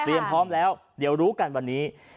พร้อมแล้วเดี๋ยวรู้กันวันนี้